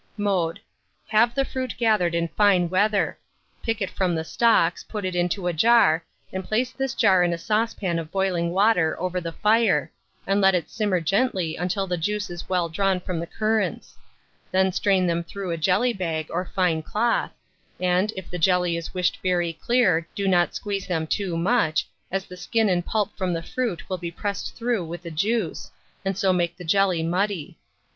Mode. Have the fruit gathered in fine weather; pick it from the stalks, put it into a jar, and place this jar in a saucepan of boiling water over the fire, and let it simmer gently until the juice is well drawn from the currants; then strain them through a jelly bag or fine cloth, and, if the jelly is wished very clear, do not squeeze them too much, as the skin and pulp from the fruit will be pressed through with the juice, and so make the jelly muddy.